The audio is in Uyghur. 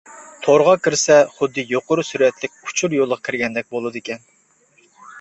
تورغا كىرسە، خۇددى يۇقىرى سۈرئەتلىك ئۇچۇر يولىغا كىرگەندەك بولىدىكەن.